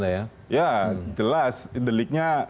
ya jelas deliknya